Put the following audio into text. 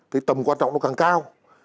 cái tầm quan trọng nó càng cao